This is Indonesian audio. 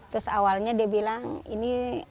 terus awalnya dia bilang ini